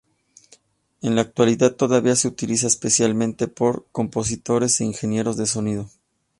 En la actualidad todavía se utiliza, especialmente por compositores e ingenieros de sonido.